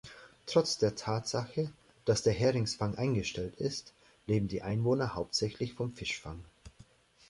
Trotz der Tatsache, dass der Heringsfang eingestellt ist, leben die Einwohner hauptsächlich vom Fischfang.